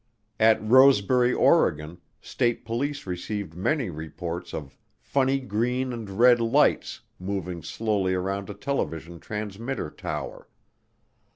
At Rosebury, Oregon, State Police received many reports of "funny green and red lights" moving slowly around a television transmitter tower.